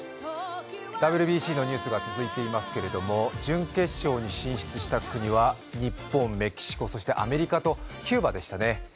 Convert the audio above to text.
ＷＢＣのニュースが続いていますけれども、準決勝に進出した国は日本、メキシコ、そしてアメリカとキューバでしたね。